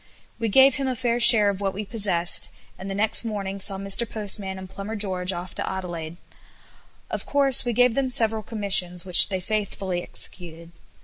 We gave him a fair share of what we possessed, and the next morning saw Mr Postman and Plumber George off to Adelaide. Of course we gave them several commissions, which they faithfully executed.